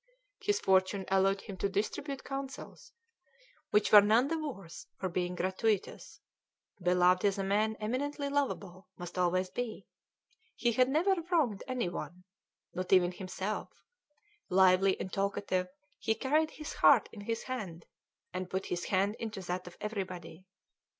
His fortune allowed him to distribute counsels which were none the worse for being gratuitous; beloved as a man eminently lovable must always be, he had never wronged any one, not even himself; lively and talkative, he carried his heart in his hand, and put his hand into that of everybody.